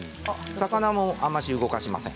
魚もあまり動かしません。